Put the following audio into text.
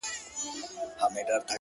يو شاعر لکه قلم درپسې ژاړي!!